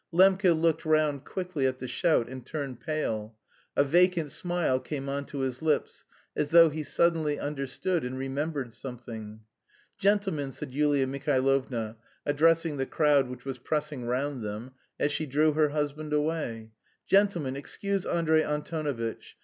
Lembke looked round quickly at the shout and turned pale. A vacant smile came on to his lips, as though he suddenly understood and remembered something. "Gentlemen," said Yulia Mihailovna, addressing the crowd which was pressing round them, as she drew her husband away "gentlemen, excuse Andrey Antonovitch.